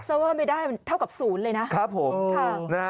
สเฟอร์ไฟไม่ได้เท่ากับศูนย์เลยนะ